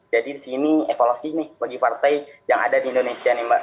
jadi disini evolusi bagi partai yang ada di indonesia nih mbak